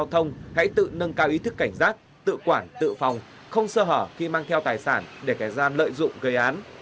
đối tượng có thể tự nâng cao ý thức cảnh giác tự quản tự phòng không sơ hở khi mang theo tài sản để cái gian lợi dụng gây án